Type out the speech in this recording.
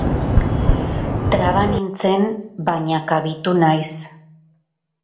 Traba nintzen baina kabitu naiz.